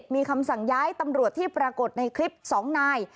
มีคำสั่งย้ายตำรวจที่ปรากฏในคลิป๒นาย